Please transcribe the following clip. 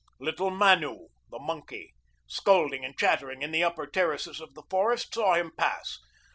Little Manu, the monkey, scolding and chattering in the upper terraces of the forest, saw him pass.